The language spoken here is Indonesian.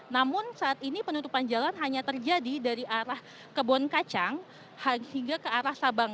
namun saat ini penutupan jalan hanya terjadi dari arah kebon kacang hingga ke arah sabang